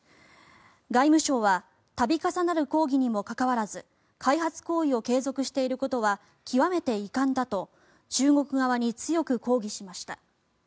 外務省は度重なる抗議にもかかわらず開発行為を継続していることは極めて遺憾だと中国側に強く抗議しました。